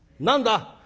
何だ？」。